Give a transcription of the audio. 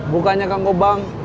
bukannya kamu bang